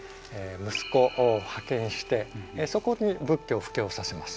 息子を派遣してそこに仏教を布教させます。